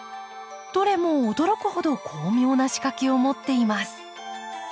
どれも驚くほど巧妙な仕掛けを持っています。